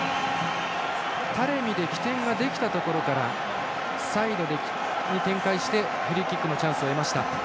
タレミで起点ができたところからサイドに展開してフリーキックのチャンスを得ました。